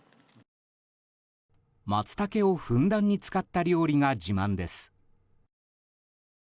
マツタケをふんだんに使った料理が自慢です。